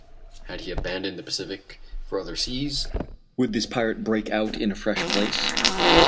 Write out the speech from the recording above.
Had he abandoned the Pacific for other seas? Would this pirate break out in a fresh place?